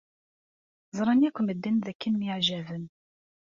Ẓran akk medden dakken myeɛjaben.